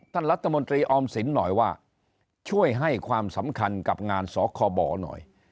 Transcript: ท่านรัฐมนตรีออมสินหน่อยว่าช่วยให้ความสำคัญกับงานสคบหน่อย